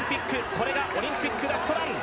これがオリンピックラストラン。